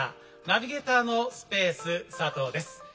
ナビゲーターのスペース佐藤です。